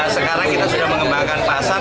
sekarang kita sudah mengembangkan pasar